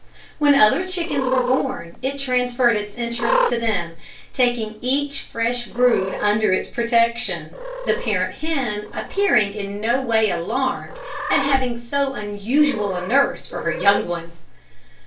When other chickens were born, it transferred its interest to them, taking each fresh brood under its protection the parent hen appearing in no way alarmed at having so unusual a nurse for her young ones.